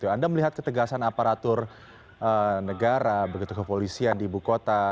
anda melihat ketegasan aparatur negara begitu kepolisian di ibu kota